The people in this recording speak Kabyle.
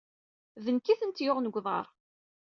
D nekk ay tent-yuɣen deg uḍar.